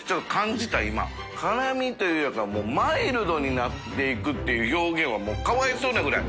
もうマイルドになっていくっていう表現は發かわいそうなぐらい。